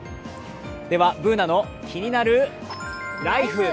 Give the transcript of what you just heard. では「ＢｏｏｎａのキニナルＬＩＦＥ」。